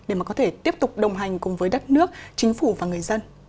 để mà có thể tiếp tục đồng hành cùng với đất nước chính phủ và người dân